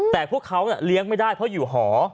แต่พวกเขาเลี้ยงไม่ได้เพราะอยู่หอ